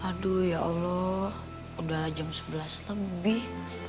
aduh ya allah udah jam sebelas lebih